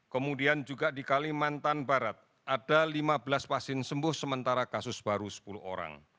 kemudian juga di kalimantan barat ada lima belas pasien sembuh sementara kasus baru sepuluh orang